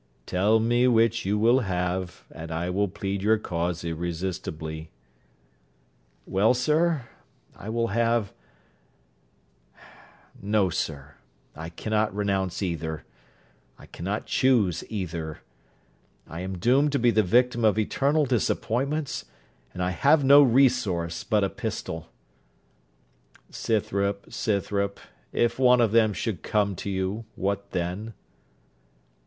'Tell me which you will have, and I will plead your cause irresistibly.' 'Well, sir, I will have no, sir, I cannot renounce either. I cannot choose either. I am doomed to be the victim of eternal disappointments; and I have no resource but a pistol.' 'Scythrop Scythrop; if one of them should come to you what then?'